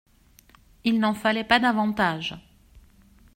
Il n'en fallait pas davantage.